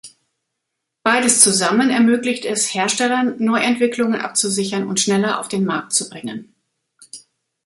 Beides zusammen ermöglicht es Herstellern, Neuentwicklungen abzusichern und schneller auf den Markt zu bringen.